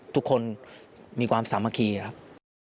ทุกคนมีความสามัคคีครับ